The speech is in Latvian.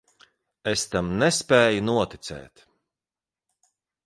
Es tam nespēju noticēt.